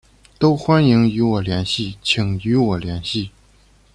都欢迎与我联系请与我联系